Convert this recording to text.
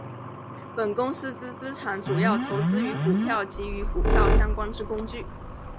本公司之资产主要投资于股票及与股票相关之工具。